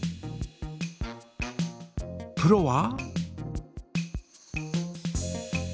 プロは？